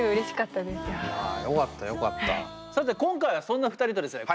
さて今回はそんな２人とですね